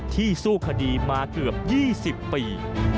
สู้คดีมาเกือบ๒๐ปี